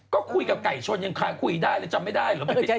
ก็คุยกับไก่ชนยังคุยได้เลยจำไม่ได้เหรอ